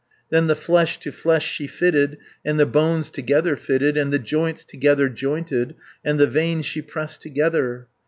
Then the flesh to flesh she fitted, And the bones together fitted, And the joints together jointed, And the veins she pressed together.